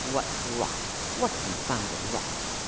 "What rot! what confounded rot!"